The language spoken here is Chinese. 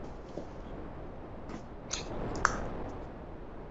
加提奈地区巴尔维勒人口变化图示